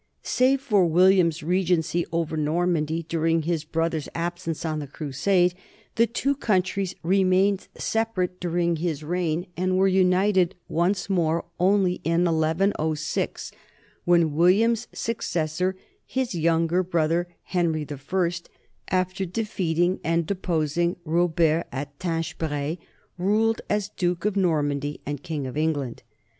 Save for William's regency over Normandy during his brother's absence on the Crusade, the two countries remained separate during his reign, and were united once more only in 1 106 when William's successor, his younger brother Henry I, after defeating and depos ing Robert at Tinchebrai, ruled as duke of Normandy and king of England.